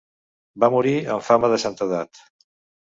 Va morir amb fama de santedat.